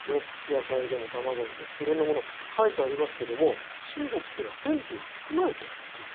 野菜でも卵色んなもの書いてありますけども中国というのは全部含まれているんですよ。